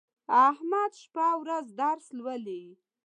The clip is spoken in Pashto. احمد شپه او ورځ درس لولي.